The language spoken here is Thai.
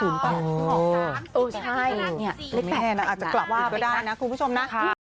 เออใช่เลข๘อาจจะกลับอีกก็ได้นะคุณผู้ชมนะ